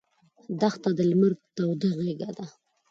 دښته د لمر توده غېږه ده.